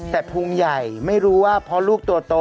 แต่พุงใหญ่ไม่รู้ว่าเพราะลูกตัวโต